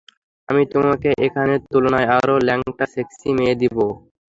আমি তোমাকে এখানে তুলনায়, আরও ল্যাংটা সেক্সি মেয়ে দিবো।